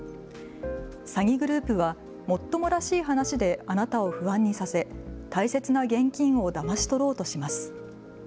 詐欺グループはもっともらしい話であなたを不安にさせ大切な現金をだまし取ろうとします。